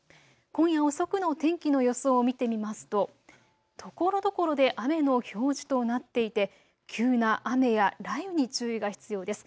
今夜遅くの天気の予想を見てみますとところどころで雨の表示となっていて急な雨や雷雨に注意が必要です。